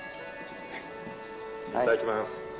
いただきます。